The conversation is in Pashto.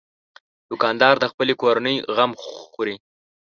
دوکاندار د خپلې کورنۍ غم خوري.